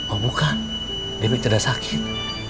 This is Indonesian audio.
oh bukan demi tidak sakit